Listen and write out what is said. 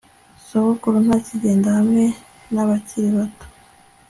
sogokuru ntakigenda hamwe nabakiri bato